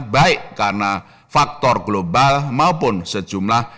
baik karena faktor global maupun sejumlah